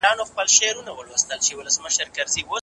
شاه شجاع د هغوی لپاره یو وسیله وه.